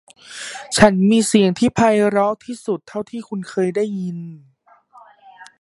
ฉันมีเสียงที่ไพเราะที่สุดเท่าที่คุณเคยได้ยิน